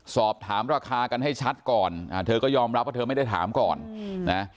สอบถามราคากันให้ชัดก่อนเธอก็ยอมรับว่าเธอไม่ได้ถามก่อนนะ